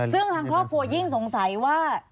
ซึ่งทางครอบครัวยิ่งสงสัยว่า